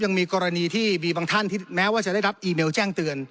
ยังมีกรณีที่มีบางท่านที่แม้ว่าจะได้รับอีเมลแจ้งเตือน